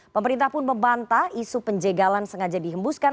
pemerintah pun membantah isu penjagalan sengaja dihembuskan